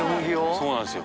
そうなんですよ。